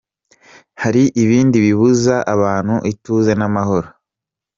Hari ibindi bibuza abantu ituze n’amahoro.